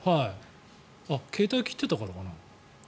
携帯を切ってたからかな？